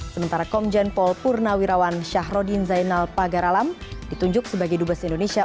sementara komjen paul purnawirawan syahrodin zainal pagaralam ditunjuk sebagai dubes indonesia